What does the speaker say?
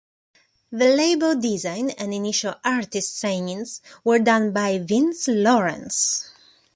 The label design and initial artist signings were done by Vince Lawrence.